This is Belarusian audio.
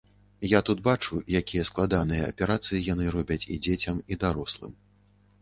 Я тут бачу, якія складаныя аперацыі яны робяць і дзецям, і дарослым.